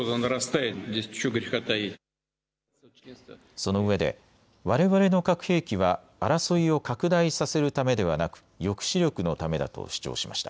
そのうえでわれわれの核兵器は争いを拡大させるためではなく抑止力のためだと主張しました。